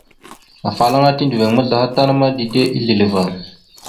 Afalaŋa tiɗəviŋ maslaha tan ma, dide isleva.